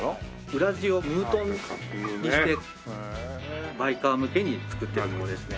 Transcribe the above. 裏地をムートンにしてバイカー向けに作っているものでして。